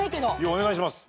お願いします。